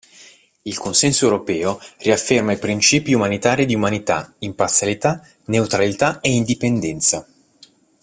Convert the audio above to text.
Il consenso europeo riafferma i principi umanitari di umanità, imparzialità, neutralità e indipendenza.